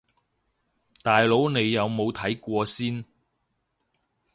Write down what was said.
大佬你有冇睇過先